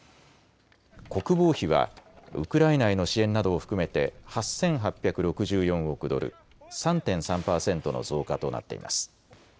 国防費はウクライナへの支援などを含めて８８６４億ドル、３．３％の増加となっています。